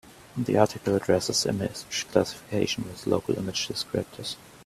The article addresses image classification with local image descriptors.